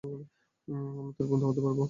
আমি তার বন্ধু হতে পারব!